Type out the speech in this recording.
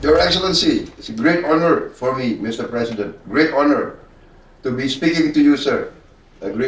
kedua duanya berharap bisa melanjutkan kerjasama antar kedua negara